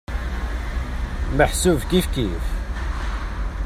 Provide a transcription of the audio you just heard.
Meḥsub kifkif.